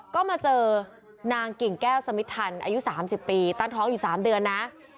ก็มาเจอนางกิ่งแก้วสมิททันอายุ๓๐ปีตั้งท้องอยู่๓เดือนนะ